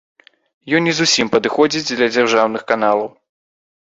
Ён не зусім падыходзіць для дзяржаўных каналаў.